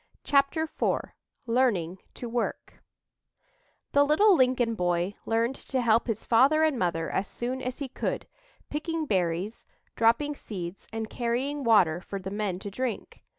CHAPTER IV LEARNING TO WORK The little Lincoln boy learned to help his father and mother as soon as he could, picking berries, dropping seeds and carrying water for the men to drink.